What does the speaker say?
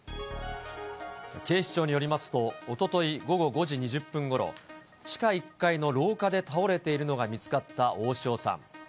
警視庁によりますと、おととい午後５時２０分ごろ、地下１階の廊下で倒れているのが見つかった大塩さん。